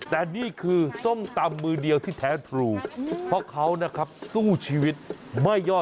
แต่นี่คือส้มตำมือเดียวที่แท้ทรูเพราะเขานะครับสู้ชีวิตไม่ย่อ